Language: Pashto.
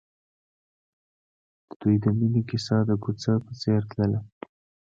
د دوی د مینې کیسه د کوڅه په څېر تلله.